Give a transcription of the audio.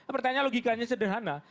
pertanyaan logikanya sederhana